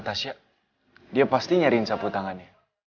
tasya dia pasti nyariin sapu tangannya